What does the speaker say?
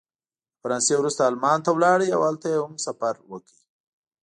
د فرانسې وروسته المان ته ولاړ او هلته یې هم سفر وکړ.